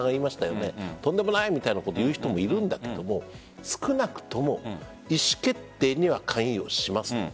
とんでもないみたいなことを言う人もいるんだけれども少なくとも意思決定には関与しますと。